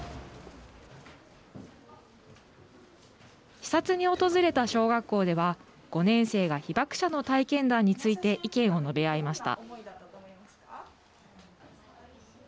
視察に訪れた小学校では５年生が被爆者の体験談について意見を述べ合いました。